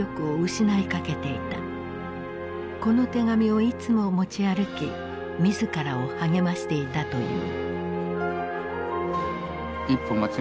この手紙をいつも持ち歩き自らを励ましていたという。